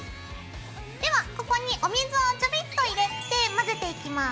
ではここにお水をちょびっと入れて混ぜていきます。